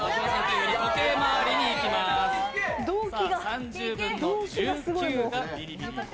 ３０分の１９がビリビリ。